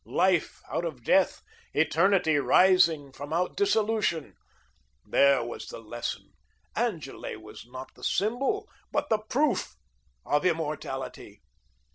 Life out of death, eternity rising from out dissolution. There was the lesson. Angele was not the symbol, but the PROOF of immortality.